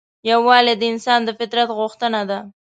یووالی د انسان د فطرت غوښتنه ده.